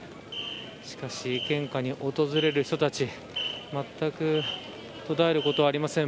しかし、献花に訪れる人たちまったく途絶えることはありません。